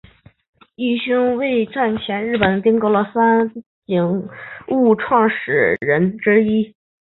义兄为战前日本财阀三井物产创始人之一。